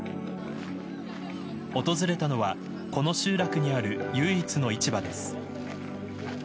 訪れたのはこの集落にある唯一の市場です。